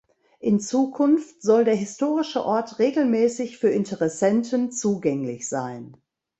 In Zukunft soll der historische Ort regelmäßig für Interessenten zugänglich sein.